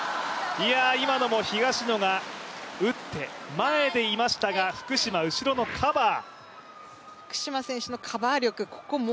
今のも、東野が打って前でいましたが福島、後ろのカバー。